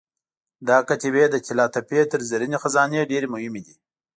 دا کتیبې د طلاتپې تر زرینې خزانې ډېرې مهمې دي.